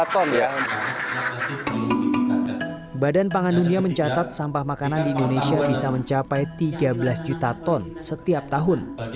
ton ya badan pangan dunia mencatat sampah makanan di indonesia bisa mencapai tiga belas juta ton setiap tahun